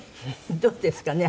どうですかね？